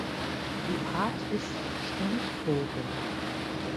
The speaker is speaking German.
Die Art ist Standvogel.